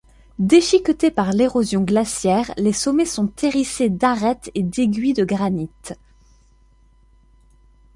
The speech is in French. Déchiquetés par l'érosion glaciaire, les sommets sont hérissés d'arêtes et d'aiguilles de granite.